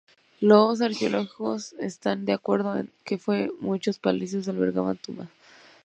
Los arqueólogos están de acuerdo en que muchos palacios albergaban tumbas.